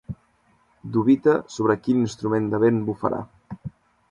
Dubita sobre quin instrument de vent bufarà.